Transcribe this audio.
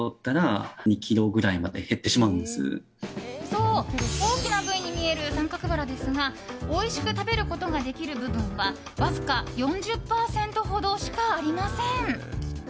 そう、大きな部位に見える三角バラですがおいしく食べることができる部分はわずか４０％ほどしかありません。